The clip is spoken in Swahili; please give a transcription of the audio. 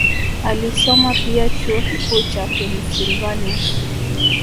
Alisoma pia Chuo Kikuu cha Pennsylvania